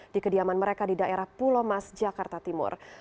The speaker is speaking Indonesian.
di kediaman mereka di daerah pulau mas jakarta timur